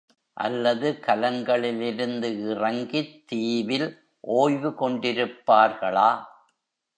அல்லது கலங்களிலிருந்து இறங்கித் தீவில் ஒய்வு கொண்டிருப்பார்களா?